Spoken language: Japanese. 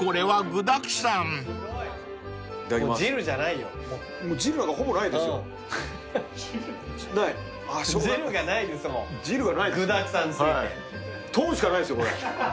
豚しかないですよこれ。